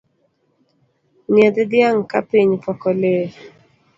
Nyiedh dhiang’ kapiny pok olil.